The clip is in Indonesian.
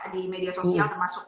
di media sosial termasuk